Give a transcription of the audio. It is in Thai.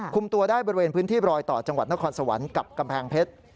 คุมตัวได้บริเวณพื้นที่รอยต่อจังหวัดนครสวรรค์กับกำแพงเพชร